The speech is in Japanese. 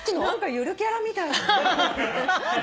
ゆるキャラみたいだね。